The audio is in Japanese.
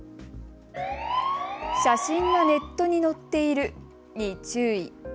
写真がネットに載っているに注意。